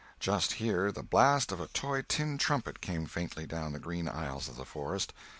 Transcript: Just here the blast of a toy tin trumpet came faintly down the green aisles of the forest.